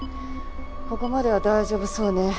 ここまでは大丈夫そうね。